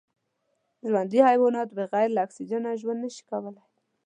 ژوندي حیوانات بغیر له اکسېجنه ژوند نشي کولای